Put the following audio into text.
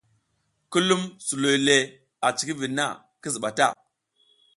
Ki lum suloy le a cikiviɗ na, ki ziɓa ta.